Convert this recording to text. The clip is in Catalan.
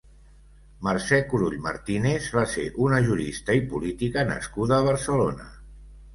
Mercè Curull Martínez va ser una jurista i política nascuda a Barcelona.